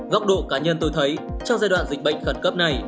góc độ cá nhân tôi thấy trong giai đoạn dịch bệnh khẩn cấp này